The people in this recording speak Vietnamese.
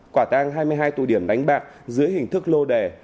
quả tang hai mươi hai tụ điểm đánh bạc dưới hình thức lô đề